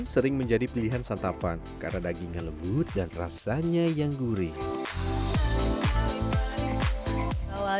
sering menjadi pilihan santapan karena dagingnya lembut dan rasanya yang gurih